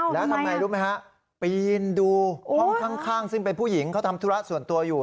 แล้วทำไงรู้ไหมฮะปีนดูห้องข้างซึ่งเป็นผู้หญิงเขาทำธุระส่วนตัวอยู่